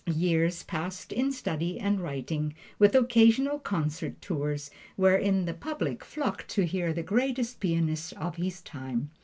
Years passed in study and writing, with occasional concert tours, wherein the public flocked to hear the greatest pianist of his time.